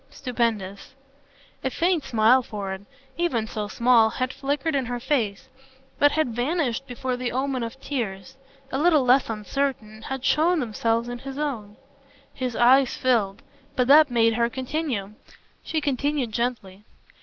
"Stupendous." A faint smile for it ever so small had flickered in her face, but had vanished before the omen of tears, a little less uncertain, had shown themselves in his own. His eyes filled but that made her continue. She continued gently.